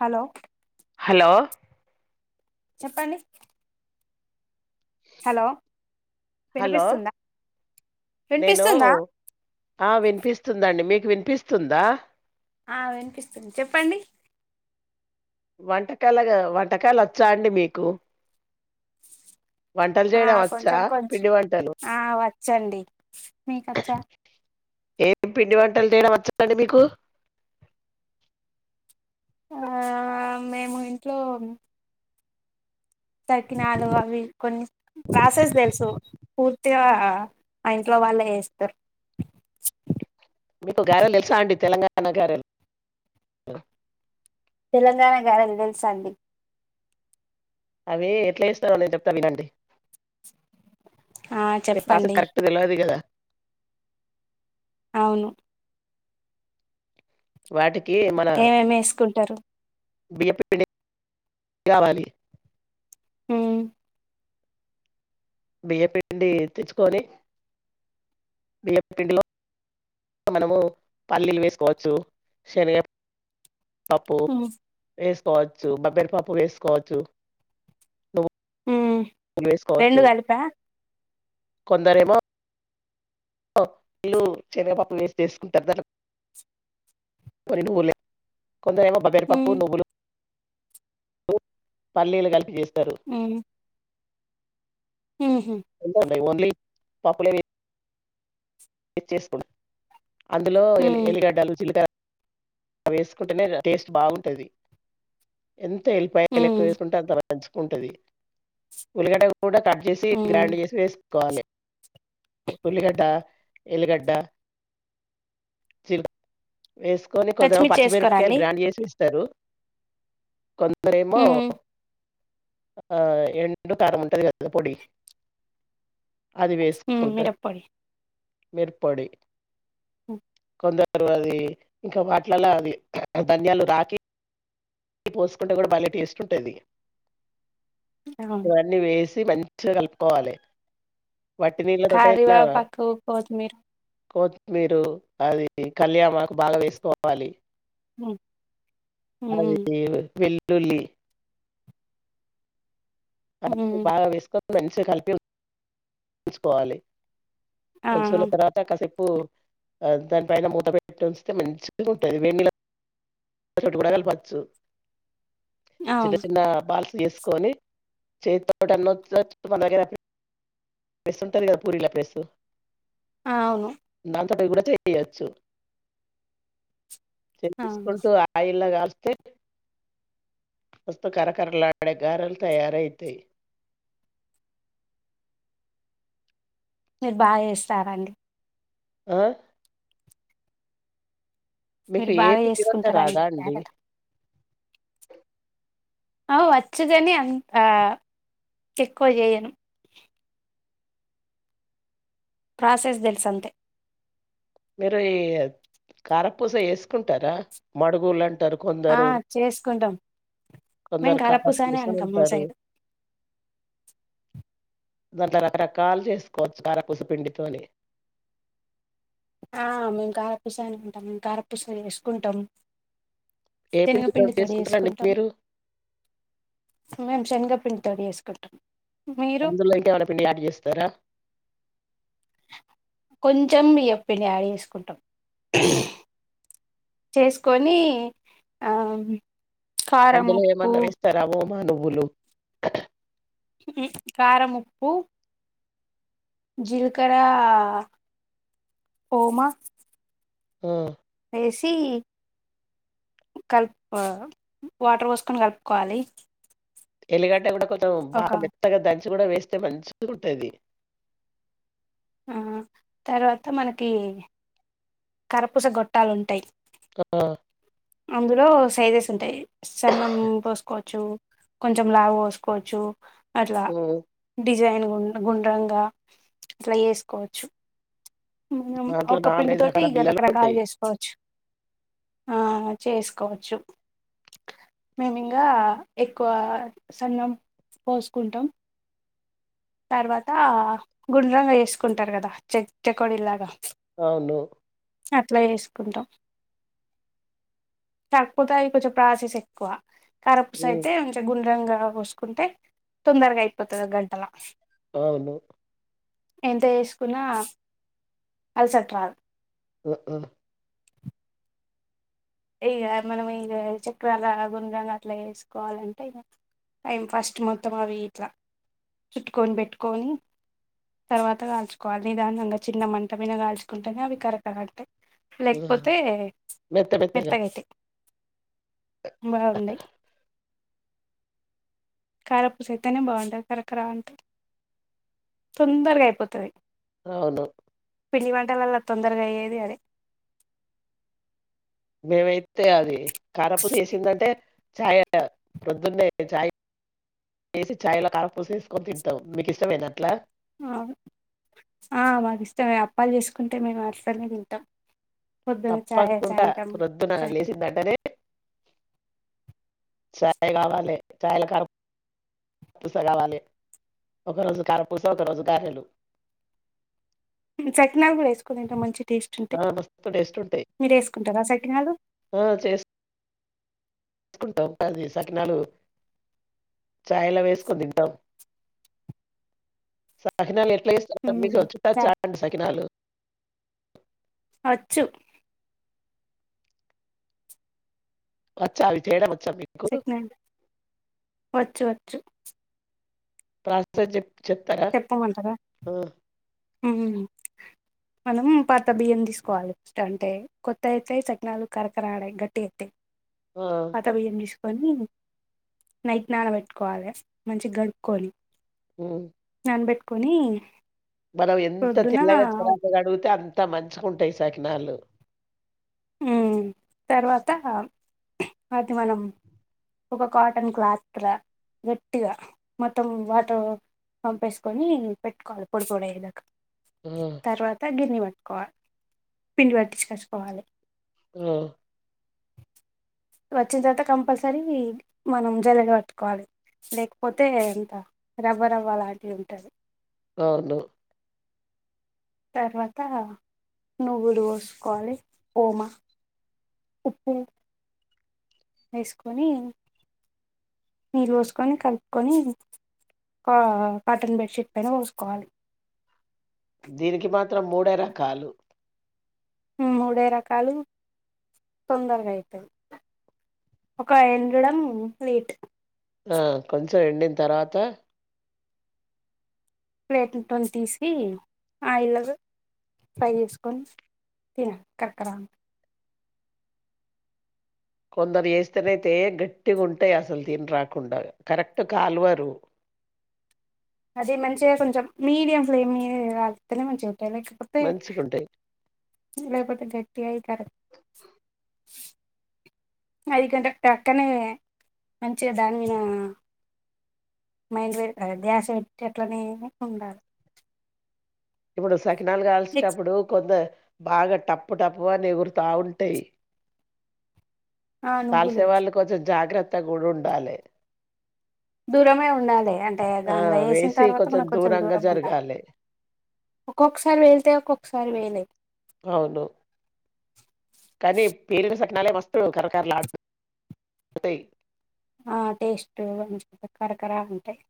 Hello hello [inaudible] చెప్పండి hello hello వినిపిస్తుందా నేను వినిపిస్తుందా ఆ వినిపిస్తుందండి మీకు వినిపిస్తుందా ఆ వినిపిస్తుంది చెప్పండి వంటకాలుగా వంటకాలు వచ్చా అండి మీకు వంటలు ఆ చేయడం వచ్చా పిండి వంటలు చండి మీకచ్చా ఏం పిండి వంటలు చేయడం వచ్చందండి మీకు ఆ మేము ఇంట్లో సకినాలు అవి కొన్ని ప్రసెస్ తెలుసు పూర్తి పగా ఆ ఇంట్లో వాళ్ళే ఏస్తారు మీకు గారల్ తెల్సా అండి తెలంగా గాన గారెలు తెలంగాణ గార తెలిసంది అవి ఎట్లా ఇస్తాను నేను చెప్తాను లేదండి ఆ మీ ప్రాసెస్ చెప్పండి కరెక్ట్ తెలివది కదా అవును వాటికి ఏమేమి వేసుకుంటారు బిపీడి కావాలి అ బియ్య పిండి తెచ్చుకొని బియ్య పిండిలో మనము పల్లీలు వేసుకోవచ్చు శనగ పపు ఉమ్ ఫేస్కోచ్ సోంపప్పిడి పప్పు వేసుకోవచ్చు నువ్వు ఉమ్ పూలు రెండు వేసుకోవచ్చు కలిపా కొందరేమో పప్పలో శనగప్పు వేస్ చేసుకుంటారు దానికి ఆ రెండు ఊర్లే కొందరు ఏమో బబేరుపప్పు ఉమ్ నువ్వులు పల్లీలు కలిపి చేస్ హ్మ్ హ్మ్ హు ఓన్లీ పాప్పులే ఎ చేసుకుం అందులో ఎలి ఉమ్ ఎల్లిగడ్డలు జిలకర అవేసుకుంటేనే టేస్ట్ బాగుంటది ఎంత వెల్లిపాయ ఉమ్ లెక్కువేసుకుంటే అంత బా ఉల్లిగడ్డ కూడా కట్ చేసి ఉమ్ గ్రైండ్ చేసి వేస్ కోలే ఉల్లిగడ్డ ఎల్లిగడ్డ చిల్ వేసుకొని కొద్దిగా పచ్చిమిర్చి వేసుకోరా పచ్చిమిరపకాయలు అండి గ్రాండ్ చేసి టరు కొం దరేమో హ్మ్. ఆ ఎండు కారముంటది గదా పొడి అదివే ప్చ్ మ్మ్ మిరప్పొడి మీర్పొడి మ్మ్ కొందరు అది ఇంకా వాట్లలో అది ధన్యాలు రాకి ఇది పోసుకుంటే కూడా భలే టేస్ట్ ఉంటాది అవును. ఇవన్నీ వేస్ మంచిగా కలుపుకోవాలి వట్టి నీళ్ళతోటైనా కర్వేపాకు కొత్ మీర్ మీరు అది కల్యాణక్ బాగా వేసుకోవాలి మ్ హ్మ్ వెల్లులి హ్మ్. బాగా వేస్కో మంచి గా కలిపించుకోవాలి ఆ! ఉంచుకున్న తర్వాత కాసేపు ప్పు దాని పైన మూత పెట్టి ఉంచితే మంచి గా ఉంటుంది వేడి నీళ్ల తో చోట్ కూడా కలపచ్చు చిన్న అవును. చిన్న బాల్ చేసుకొని చేతితోటి అన్న వత్తచ్ మన దగ్గర ప్లస్ ఉంటది కదా పూరీల ప్లస్ అవును ఉత్తది కూడా చేపియచ్చు అవును. చేపిచ్చుకుంటూ ఆ ఇల్లాగాల్చ మస్తు కరకరలాడే గారెలు తయారయితాయి మీరు బాగా చేస్తారండి ఆ మీకు మీరు ఏ బాగా పిండి వంట చేసుకుంటారండి రాదా అండి క్యారెట్. అ వచ్చదని అంత ఆ ఎక్కువ చేయను ప్రాసెస్ తెలుసంతే మీరు ఈ కారపూస వేసుకుంటారా మడుగులు అంటారు ఆ కొందరు చేసుకుంటాం మేము కొందరు కారపూస అనే అంటాం మా అంటారు సైడ్ దాంట్లో రకరకాలు చేసుకోవచ్చు కారపుస పిండితోని ఆ మేము కారపూస అని అంటాం మేము కారపూస చేసుకుంటాం ఏ పిండితో శనగపిండి తోటి చేసుకుంటారండి వేసుకుంటాం మీరు మేము శనగ పిండితో చేసుకుంటం అందులోఇంకా ఏమైనాపిండి యాడ్ చేస్తారా కొంచెం బియ్యం పిండి యాడ్ చేసుకుంటాం చేసుకొని ఆ కారం అందులో ఉప్పు ఏమన్నా వేస్తారా ఓమ్ నువ్వులు కారం, ఉప్పు జిలకర్ర, ఒమా ఉ వేసి కలుపు వాటర్ పోసుకొని కలుపుకోవాలి ఎలిపెంట కూడా ఒక బాగా మెత్తగా దంచ్ చి కూడా వేస్తే మంచిగా ఉంటది ఆ తర్వాత మనకి కారాపుస గొట్టాలు ఉంటాయి ఆ అందులో సైజెస్ ఉంటాయి సన్నము పోసుకోవచ్చు కొంచెం లావ్ పోసుకోవచ్చు అట్లా ఉమ్, డిజైన్ కూ గుండ్రంగా అట్లా వేసుకోవచ్చు మనం దాంట్లో ఒక పిండి నాలుగైదు తోటి రకాల ఇగ బిల్లలు ఉంటాయి రకరకాలు చేసుకోవచ్చు ఆ చేసుకోవచ్చు మేము ఇంగ ఎక్కువ సన్నం పోసుకుంటాం తర్వాత గుండ్రంగా జేసుకుంటారు కదా చె చెకోడిల్లాగా అవును అట్లా జే సుకుంటాం కాకపోతే అది కొంచెం ప్రాసెస్ ఎక్కువ కారాప్పూస హ్మ్. అయితే కొంచం గుండ్రంగా పోసుకుంటే తొందరగా అయిపోతది గంటల అవును ఎంత జేసుకున్నా అలసట రాదు ఉ ఇగ మనం ఇగ చెక్రాళ్లాగ గుండ్రంగా అట్లా జేసుకోవాలంటే ఇక టైం ఫస్ట్ మొత్తం అవి ఇట్లా చుట్టుకొని పెట్టుకొని తర్వాత కాల్చుకోవాలి నిదానంగా చిన్న మంటపైన కాల్చుకుంటేనే అవి కరకరా అంటాయి హ్మ్. లేకపోతే మెత్త మెత్తగా. మెత్తగైతాయ్ బాగున్నాయి కారపూస అయితేనే బాగుంటది కరకరా అంటాది తొందరగా అయిపోతుంది అవును పిండి వంటలల్ల తొందరగా అయ్యేది అదే మేమైతే అది కారాపూసి యేసిందంటే చాయ ప్రొద్దున్నే చాయ్ వేసి చాయ్లో కారపూసి వేసుకొని తింటాం మీకు ఇష్టమేనా అట్లా ఆ మాకు ఇష్టంమే అప్పాలు జేసుకుంటే మేము అట్లనే తింటాం పొద్దున్న చాయ తప్పకుండా సాయంత్రం ప్రొద్దున చాయ్ లేసిందంటనేే చాయ్ కావాలే చాయల కారాపూస కావాలే ఒకరోజు కారాపూస ఒక రోజు గారెలు సకినాలు గూడా యేసుకోని దింటాం మంచిగా ఆ! టేస్టుంటాయ్ మస్తు టేస్టుంటాయి. మీరు వేసుకుంటారా సకిలాలు వేసుకుంటాం అది సకినాలు చాయలా వేసుకొని తింటాం సకినాలు ప్లేస్ మీచ్చ హ్మ్ చుట్టా చ చాండి సకినాలు వచ్చు వచ్చా అవి చేయడం వచ్చా మీకు? సకినాలు హ వచ్చు వచ్చు ప్రస్త చెప్ చెప్తారా చెప్పమంటారా ఆ ఉ మనం పాత బియ్యం తీసుకోవాలి అంటే కొత్త అయితే సకినాలు కరకరాడాయి గట్టి అవుతాయి ఆ పాత బియ్యం తీసుకో కొని నైట్ నానబెట్టుకోవాలే మంచి గడుక్కొని ఉ కన్బెట్టుకోని మనం ఎంత తిన్న కానీ [unintelligible] కడుగుతే అం త మంచిగుంటయి సకినాళ్లు. మ్మ్ తర్వాత అది మనం ఒక కాటన్ క్లాత్ లా గట్టిగ మొత్తం వాటర్ పంపేసుకొని పెట్టుకోవలి పొడి పొడేయేదాకా. ఆ తర్వాత గిర్ని ప కొవ పిండి పట్టిచ్చికచ్చుకోవాలి. ఆ వచ్చిన తర్వాత కంపల్సరీ మనం జల్లెడ పట్టుకోవాలి లేకపోతే అంతా రవ్వ రవ్వ లాంటిది ఉంటది. అవును తర్వాత నువ్వులు పోసుకోవాలి ఓమ ఉప్పు ఏస్కొని నీళ్లు ఓస్కొని కల్పుకొని కాటన్ బెడ్షీట్ పైన పోసుకోవాలి. దీనికి మాత్రం మూడే రకాలు మూడే రకాలు తొందరగా అయితది ఒక ఎండడం లేట్ ఆ కొం చం ఎండిన తర్వాత ప్లేట్లతోని తీసి ఆయిల్ల ఫ్రై చేసుకొని తినాల కరకరా అని కొందరు చేస్తేనైతే గట్టిగుంటయి అసలు తిన్రాకుండా కరెక్ట్ కాలువరు. అది మంచిగ కొంచెం మీడియం ఫ్లేమ్ మీద కాల్తెనె మంచిగ టది లేకపోతే మంచిగుంటాయి. లేపోతే గ తీ అయి [unintelligible] హై కంటే పక్కనే మంచిగ దాని మీద మైండ్ పె ధ్యాస పెట్టి అట్లనే ఉండాలి. ఇపుడు సకినాల్ నెక్స్ట్ కాల్సెటప్పుడు కొంద బాగ టప్పు టప్పు అని ఎగురుతా ఉంటాయి. ఆ నువ్వులు కాల్సే వాళ్ళు కొంచం జాగ్రత్ త్తగా గుడుండాలి దూరమే ఉండాలే అంటే దాన్లో ఏసిన తర్వాత మనం కొంచెం దూరంగా ఉండాలి. ఒక్కొక్కసారి పేళ్తయ్ ఒక్కొక్కసారి పేళయ్. అవును కానీ పేలిన సట్నాలే మస్తు కరకరలాడు తయి ఆ టేస్ట్ మంచి కరకరా అంటయి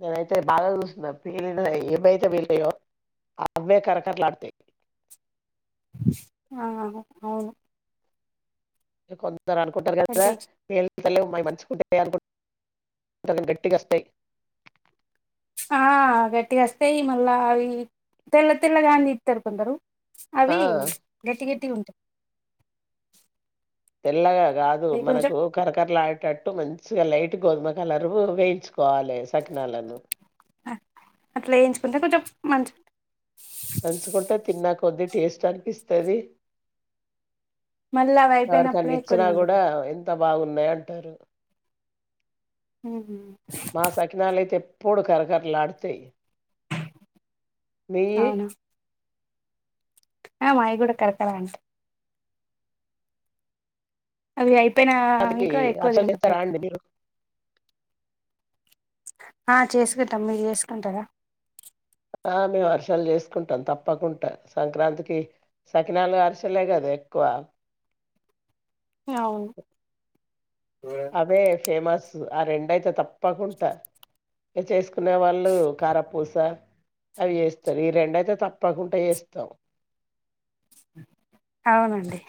నేనైతే బాగా చూస్తున్నా పేలినై ఏవి అయితే పేలినయో అవే కరకరలాడుతయి. ఆ అవును ఎ కొం అందరు అనుకుంటరు కదా అంటే పేల్ ఈ పల్లేం మాయి మంచిగుంటాయి అనుకు [inaudible] గట్టిగా వస్తాయి ఆ గట్టిగ అస్తయి మళ్ళా అవి తెల్ల తెల్లగా అని జేత్తరు కొందరు. ఆ అవి గట్టి గట్టిగా ఉం [unintelligible] తెల్లగా కాదు మనకు కరకరలాడేటట్టు మంచిగా లైట్ గోధుమ కలర్ వేయించుకోవాలి సకినాలను అ అట్లా వేయించుకుంటే కొంచెం మంచి నంచుకుంటే తిన్నాక్కు కొద్ది టేస్ట్ అనిపిస్తది మళ్ళ అవి అయిపోయినప్పుడే ఎవరికన్నా ఎక్కువ ఇచ్చినా కూడా దిండిపో ఎంత బాగున్నాయి అంటారు హ్మ్ మా సకినాలయితే పూడు కరకరలాడతయి మీయి ఆ మాయిగూడ కరకరా అంట అవి అయి పోనా వాటికి ఇంకా ఎక్కువ అట్లా తిన చేస్తారా బుద్దిఅయిద్ది అండి మీరు ఆ చేసుకుంటాం మీరు చేసుకుంటారా ఆ మేము అరిసెలు చేసుకుంటాం. తప్పకుంట సంక్రాంతికి సకినాలు అరిసెలే కదె ఎక్కువ అవును అవే ఫేమస్ ఆ రెండయితే తప్పకుంట చేసుకునే వాళ్ళు కారప్పూస అవి చేస్తారు. ఈ రెండయితే తప్పకుంట చేస్తాం. అవునండి